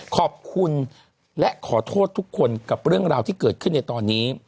ขอบคุณและขอโทษทุกคนกับเรื่องราวที่เกิดขึ้นในตอนนี้